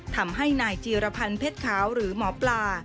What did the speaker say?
ทำให้นายจีรพันธ์เพชรขาวหรือหมอปลา